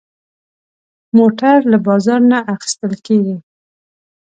موټر له بازار نه اخېستل کېږي.